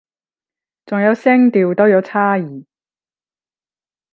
仲有聲調都有差異